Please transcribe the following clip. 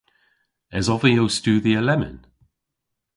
Esov vy ow studhya lemmyn?